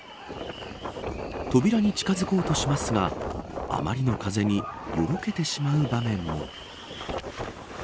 扉に近づこうとしますがあまりの風によろけてしまう場面も。